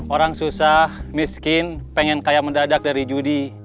orang susah miskin pengen kayak mendadak dari judi